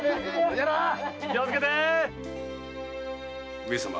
上様。